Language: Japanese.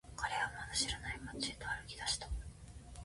彼はまだ知らない街へと歩き出した。